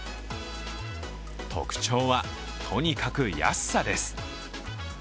特徴は、とにかく安さです。